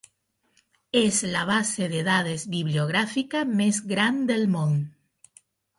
És la base de dades bibliogràfica més gran del món.